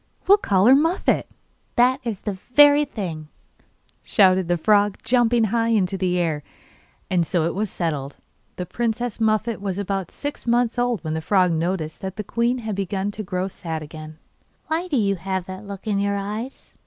We will call her Muffette.' 'That is the very thing,' shouted the frog, jumping high into the air; and so it was settled. The princess Muffette was about six months old when the frog noticed that the queen had begun to grow sad again. 'Why do you have that look in your eyes?